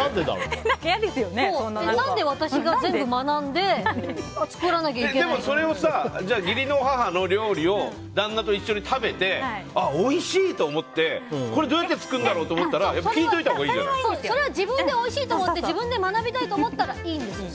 でも、それを義理の母の料理を旦那と一緒に食べてあ、おいしい！と思ってこれ、どうやって作るんだろうと思ったらそれは自分でおいしいと思って自分で学びたいと思ったらいいんですよ。